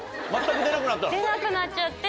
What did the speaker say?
出なくなっちゃって。